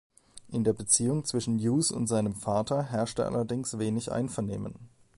In der Beziehung zwischen Hughes und seinem Vater herrschte allerdings wenig Einvernehmen.